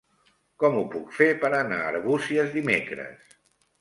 Com ho puc fer per anar a Arbúcies dimecres?